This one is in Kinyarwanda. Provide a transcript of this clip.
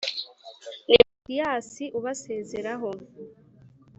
Ni Matiyasi ubasezeraho.